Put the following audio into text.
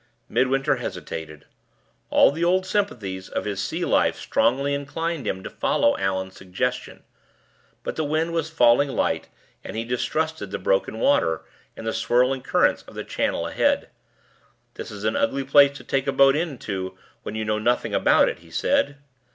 Midwinter hesitated. All the old sympathies of his sea life strongly inclined him to follow Allan's suggestion; but the wind was falling light, and he distrusted the broken water and the swirling currents of the channel ahead. "This is an ugly place to take a boat into when you know nothing about it," he said.